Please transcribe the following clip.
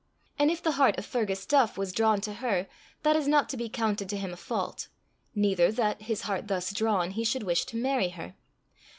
And if the heart of Fergus Duff was drawn to her, that is not to be counted to him a fault neither that, his heart thus drawn, he should wish to marry her.